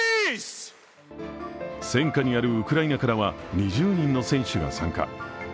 戦禍にあるウクライナからは２０人の選手が参加。